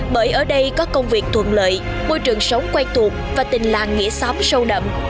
bởi ở đây có công việc thuận lợi môi trường sống quen thuộc và tình làng nghĩa xóm sâu đậm